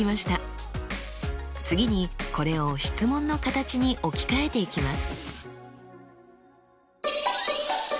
次にこれを質問の形に置き換えていきます。